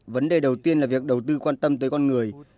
vấn đề đầu tiên là việc đầu tư quan tâm tới con người